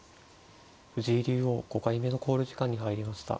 藤井竜王５回目の考慮時間に入りました。